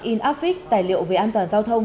in affix tài liệu về an toàn giao thông